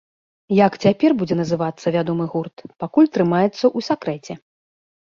Як цяпер будзе называцца вядомы гурт, пакуль трымаецца ў сакрэце.